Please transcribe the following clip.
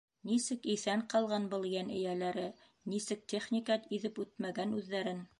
«Нисек иҫән ҡалған был йән эйәләре, нисек техника иҙеп үтмәгән үҙҙәрен?»